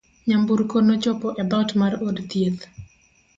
Nyamburko nochopo e dhoot mar od thieth.